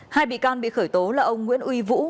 hai bị can bị khởi tố là ông nguyễn uy vũ